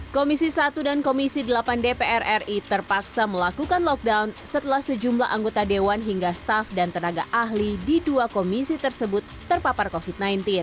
komisi satu dan komisi delapan dpr ri terpaksa melakukan lockdown setelah sejumlah anggota dewan hingga staff dan tenaga ahli di dua komisi tersebut terpapar covid sembilan belas